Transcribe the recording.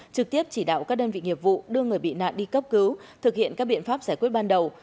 trực tiếp chỉ đạo các đơn vị nghiệp vụ đưa người bị nạn đi cấp cứu thực hiện các biện pháp giải quyết ban đầu